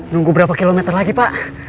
nunggu berapa kilometer lagi pak